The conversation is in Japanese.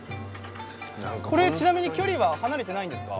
ちなみに、この距離は離れてないんですか？